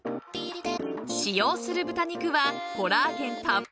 ［使用する豚肉はコラーゲンたっぷり］